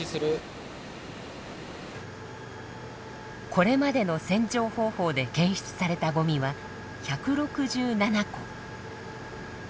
これまでの洗浄方法で検出されたゴミは１６７個。